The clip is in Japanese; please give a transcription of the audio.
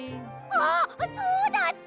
あっそうだった！